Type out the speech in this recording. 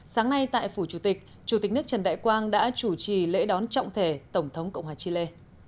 sáng nay tại phủ chủ tịch chủ tịch nước trần đại quang đã chủ trì lễ đón trọng thể tổng thống cộng hòa chile